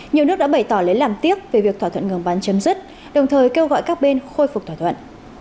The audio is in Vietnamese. nhiều nước đã bày tỏ lấy làm tiếc về việc thỏa thuận ngừng bắn chấm dứt đồng thời kêu gọi các bên khôi phục thỏa thuận